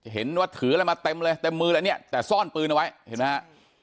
เห็นว่าถืออะไรมาเต็มเลยเต็มมือแล้วเนี่ยแต่ซ่อนปืนเอาไว้เห็นไหมฮะ